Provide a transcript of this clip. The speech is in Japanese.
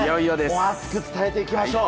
熱く伝えていきましょう。